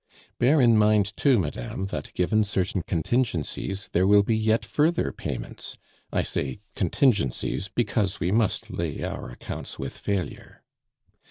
Bear in mind, too, madame, that, given certain contingencies, there will be yet further payments. I say 'contingencies,' because we must lay our accounts with failure.